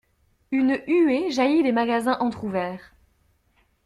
Une huée jaillit des magasins entr'ouverts.